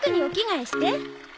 え？